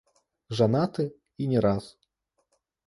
Жанаты, і не раз.